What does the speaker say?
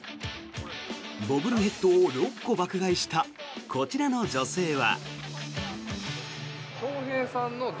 ボブルヘッドを６個爆買いしたこちらの女性は。